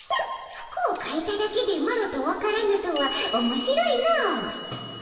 服をかえただけでマロと分からぬとはおもしろいのう。